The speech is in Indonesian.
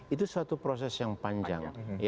itu suatu proses yang panjang